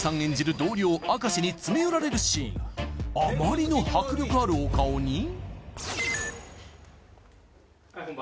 同僚明石に詰め寄られるシーンあまりの迫力あるお顔に・本番！